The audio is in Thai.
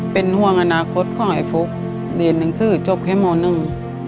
เป็นห่วงอนาคตของไอ้ฟุ๊กเรียนหนังสือจบแค่มหนึ่ง